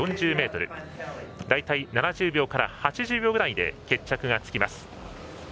だいたい、７０秒から８０秒ぐらいで決着がつきます。